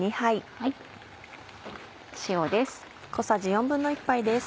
塩です。